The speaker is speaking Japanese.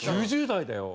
９０代だよ。